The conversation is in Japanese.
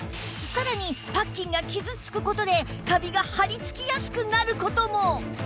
さらにパッキンが傷つく事でカビが張りつきやすくなる事も